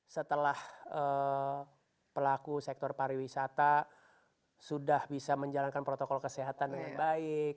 setelah pelaku sektor pariwisata sudah bisa menjalankan protokol kesehatan dengan baik